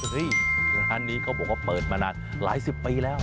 ร้านนี้เขาบอกว่าเปิดมานานหลายสิบปีแล้ว